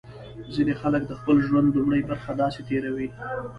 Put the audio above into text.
ځینې خلک د خپل ژوند لومړۍ برخه داسې تېروي.